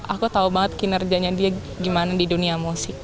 aku tahu banget kinerjanya dia gimana di dunia musik